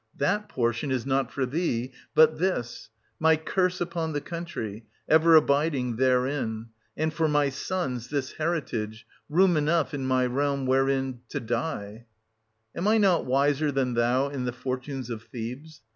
That portion is not for thee, but this, — my curse upon the country, ever abiding therein; — and for my sons, this heritage — room enough in my realm wherein — to die. 790 Am I not wiser than thou in the fortunes of Thebes